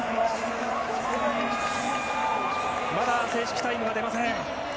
まだ正式タイムが出ません。